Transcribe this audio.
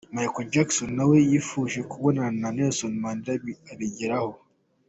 Michael Jackson nawe yifuje kubonana na Nelson Mandela abigeraho.